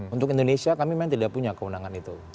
untuk indonesia kami memang tidak punya kewenangan itu